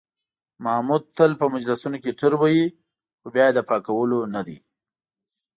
محمود تل په مجلسونو کې ټروهي، خو بیا یې د پاکولو نه دي.